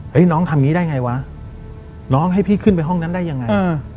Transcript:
น้องทำอย่างนี้ได้ไงวะน้องให้พี่ขึ้นไปห้องนั้นได้ยังไง